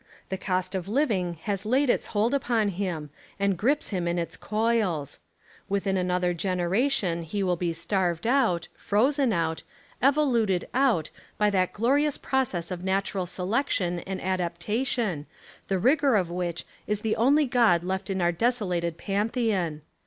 The cost of living has laid its hold upon him, and grips him in its coils; within another gen eration he will be starved out, frozen out, "evo luted" out by that glorious process of natural selection and adaptation, the rigour of which is the only God left in our desolated Pantheon.